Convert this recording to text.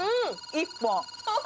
１本。